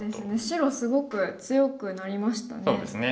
白すごく強くなりましたね。